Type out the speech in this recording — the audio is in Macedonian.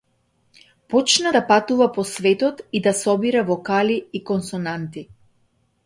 Почна да патува по светот и да собира вокали и консонанти.